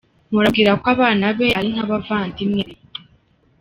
Mpora mubwira ko abana be ari nk’abavandimwe be.